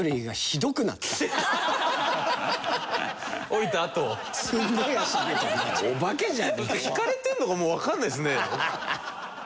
ひかれてるのかもうわからないですね。